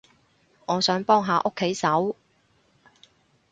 我想幫下屋企手